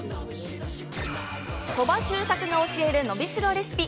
鳥羽周作が教えるのびしろレシピ。